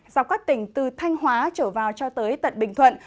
dọc các tỉnh từ thanh hóa trở vào cho tới tận bình thuận